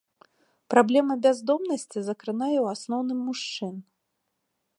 Праблема бяздомнасці закранае ў асноўным мужчын.